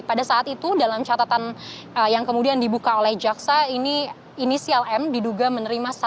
pada saat itu dalam catatan yang kemudian dibuka oleh jaksa ini inisial m diduga menerima